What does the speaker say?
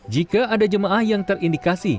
jika ada jemaah yang terindikasi